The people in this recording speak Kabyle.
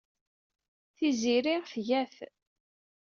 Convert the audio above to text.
Tiziri tga-t.